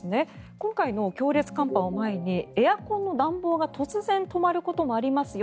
今回の強烈寒波を前にエアコンの暖房も突然止まることがありますよ